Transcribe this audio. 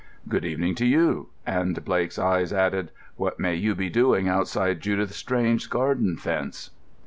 "Good evening to you," and Blake's eyes added, "What may you be doing outside Judith Strange's garden fence?"